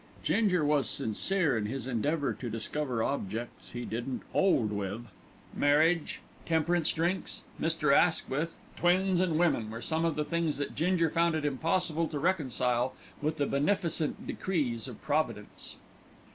Ginger was sincere in his endeavour to discover objects he didn't "'old wiv"; marriage, temperance drinks, Mr. Asquith, twins and women were some of the things that Ginger found it impossible to reconcile with the beneficent decrees of Providence.